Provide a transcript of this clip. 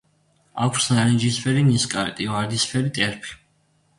აქვს ნარინჯისფერი ნისკარტი, ვარდისფერი ტერფი.